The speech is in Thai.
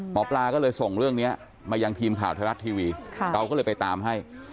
หมอปลาก็เลยส่งเรื่องนี้มายังทีมข่าวไทยรัฐทีวีเราก็เลยไปตามให้